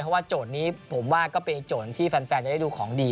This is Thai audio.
เพราะว่าโจทย์นี้ผมว่าก็เป็นโจทย์ที่แฟนจะได้ดูของดี